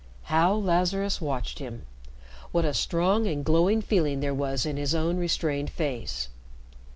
How Lazarus watched him! What a strong and glowing feeling there was in his own restrained face!